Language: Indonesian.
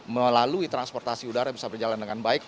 melalui transportasi udara bisa berjalan dengan baik